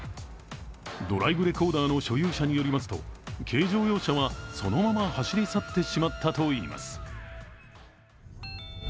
ドライブレコーダーの所有者によりますと軽乗用車はそのまま走り去ってしまったといいます。